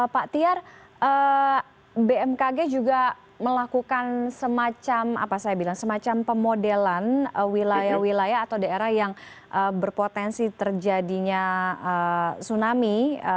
pak tiar bmkg juga melakukan semacam pemodelan wilayah wilayah atau daerah yang berpotensi terjadinya tsunami